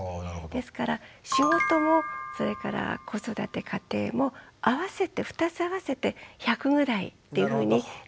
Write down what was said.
ですから仕事もそれから子育て家庭も合わせて２つ合わせて１００ぐらいっていうふうに考えたらいいと思うんです。